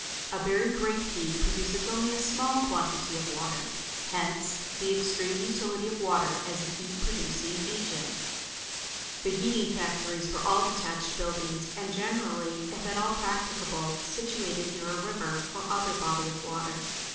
A very great heat produces only a small quantity of water: hence the extreme utility of water as a heat producing agent. The heating factories were all detached buildings, and generally, if at all practicable, situated near a river, or other body of water.